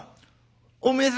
おめえ様